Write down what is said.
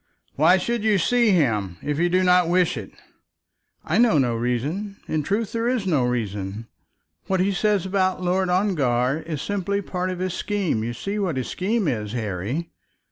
"Why should you see him, if you do not wish it?" "I know no reason. In truth there is no reason. What he says about Lord Ongar is simply some part of his scheme. You see what his scheme is, Harry?"